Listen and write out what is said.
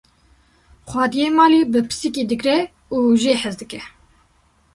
xwediyê malê bi pisikê digre û jê hez dike